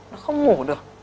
nó không ngủ được